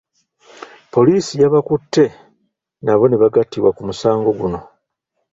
Poliisi yabakutte nabo ne bagattibwa ku musango guno.